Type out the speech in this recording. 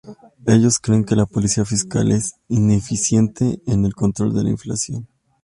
Ellos creen que la Política Fiscal es ineficiente en el control de la inflación.